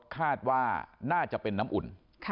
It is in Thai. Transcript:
คาดว่าน่าจะเป็นน้ำอุ่น